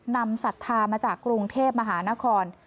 ศรัทธามาจากกรุงเทพมหานคร